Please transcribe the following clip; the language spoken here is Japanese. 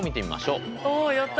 ああやった。